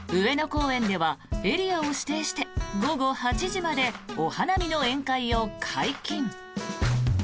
上野公園ではエリアを指定して午後８時までお花見の宴会を解禁。